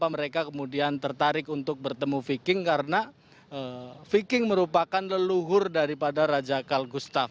karena mereka kemudian tertarik untuk bertemu viking karena viking merupakan leluhur daripada raja karl gustav